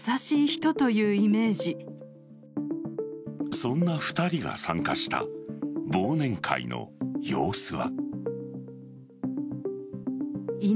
そんな２人が参加した忘年会の様子は。